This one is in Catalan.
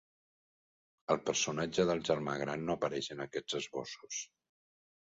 El personatge del germà gran no apareix en aquests esbossos.